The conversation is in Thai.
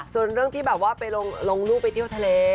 ส่วนเรื่องที่แบบว่าไปลงลูกไปเที่ยวทะเล